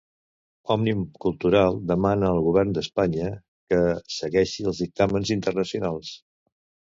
Òmnium Cultural demana al govern d'Espanya que segueixi els dictàmens internacionals.